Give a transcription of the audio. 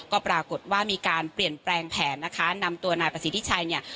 ก็ปรากฏว่ามีการเปลี่ยนแปลงแผนนะคะนำตัวนายประสิทธิชัยเนี่ย